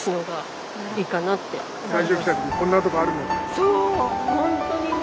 そう。